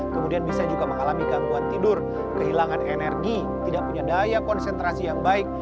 kemudian bisa juga mengalami gangguan tidur kehilangan energi tidak punya daya konsentrasi yang baik